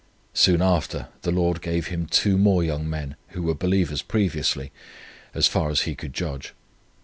Soon after the Lord gave him two more young men, who were believers previously, as far as he could judge.